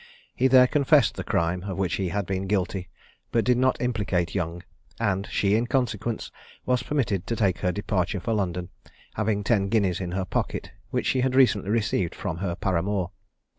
He there confessed the crime of which he had been guilty, but did not implicate Young, and she, in consequence, was permitted to take her departure for London, having 10 guineas in her pocket, which she had recently received from her paramour.